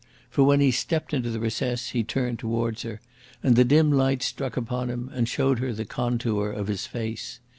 For when he stepped into the recess he turned towards her, and the dim light struck upon him and showed her the contour of his face.